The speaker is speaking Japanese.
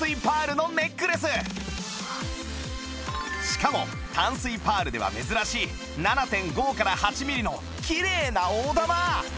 しかも淡水パールでは珍しい ７．５８ ミリのきれいな大玉